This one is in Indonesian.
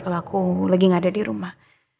kalo aku lagi gak ada dirumah